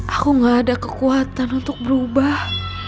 aku gak ada kekuatan untuk berubah